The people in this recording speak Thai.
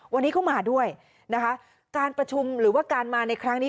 วันนี้ก็มาด้วยนะคะการประชุมหรือว่าการมาในครั้งนี้